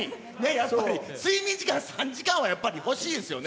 やっぱり睡眠時間３時間はやっぱり欲しいですよね。